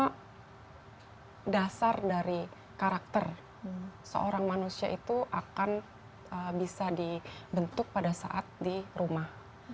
karena dasar dari karakter seorang manusia itu akan bisa dibentuk pada saat di rumah